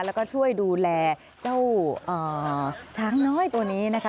แล้วก็ช่วยดูแลเจ้าช้างน้อยตัวนี้นะคะ